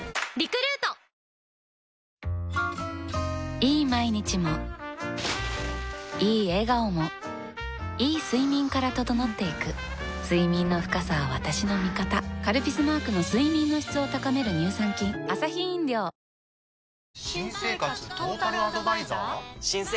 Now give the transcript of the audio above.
いい毎日もいい笑顔もいい睡眠から整っていく睡眠の深さは私の味方「カルピス」マークの睡眠の質を高める乳酸菌洗っても落ちない